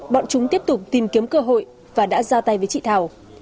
bọn chúng tiếp tục tìm kiếm cơ hội và đã ra tay với chị thảo